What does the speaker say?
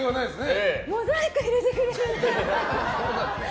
モザイク入れてくれるなら。